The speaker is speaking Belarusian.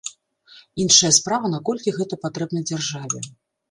Іншая справа, наколькі гэта патрэбна дзяржаве.